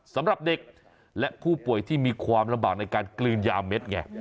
สำหรับเด็กและผู้ป่วยที่มีความลำบากในการกลืนยาเม็ดไง